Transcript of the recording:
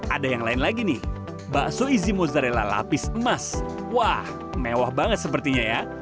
ada yang lain lagi nih bakso isi mozzarella lapis emas wah mewah banget sepertinya ya